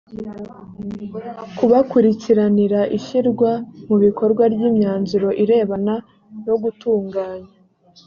kubakurikiranira ishyirwa mu bikorwa ry imyanzuro irebana no gutunganya